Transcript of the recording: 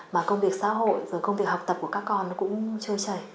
mà công việc xã hội rồi công việc học tập của các con cũng chơi trẻ